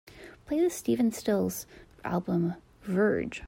Play the Stephen Stills album Verge